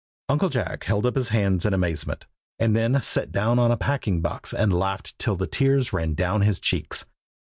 Uncle Jack held up his hands in amazement, and then sat down on a packing box and laughed till the tears ran down his cheeks.